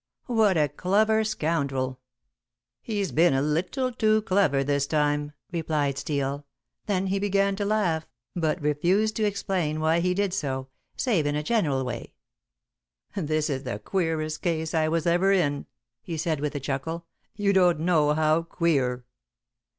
What a clever scoundrel!" "He's been a little too clever this time," replied Steel; then he began to laugh, but refused to explain why he did so, save in a general way. "This is the queerest case I was ever in," he said, with a chuckle; "you don't know how queer."